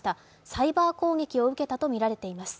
サイバー攻撃を受けたとみられています。